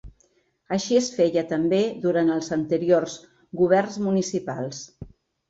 Així es feia també durant els anteriors governs municipals.